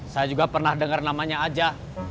saya juga pernah dengar namanya aja